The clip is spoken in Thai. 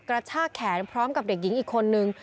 กระชากแขนพร้อมกับเด็กหญิงอีกคนนึง